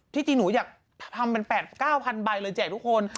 จริงหนูอยากทำเป็น๘๙๐๐ใบเลยแจกทุกคน